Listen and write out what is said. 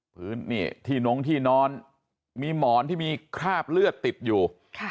พื้นที่ที่น้องที่นอนมีหมอนที่มีคราบเลือดติดอยู่